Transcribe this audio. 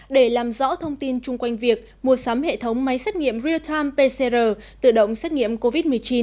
để làm rõ thông tin chung quanh việc mua sắm hệ thống máy xét nghiệm real time pcr tự động xét nghiệm covid một mươi chín